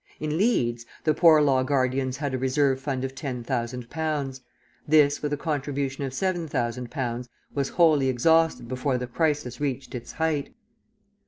In Leeds, the Poor Law guardians had a reserve fund of 10,000 pounds. This, with a contribution of 7,000 pounds, was wholly exhausted before the crisis reached its height.